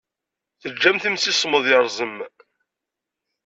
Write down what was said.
Teǧǧamt imsismeḍ yerẓem.